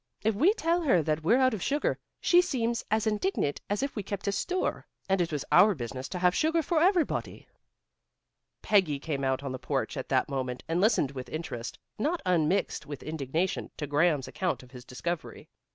If we tell her that we're out of sugar, she seems as indignant as if we kept a store, and it was our business to have sugar for everybody." Peggy came out on the porch at that moment, and listened with interest, not unmixed with indignation, to Graham's account of his discovery.